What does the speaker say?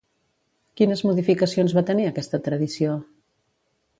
Quines modificacions va tenir aquesta tradició?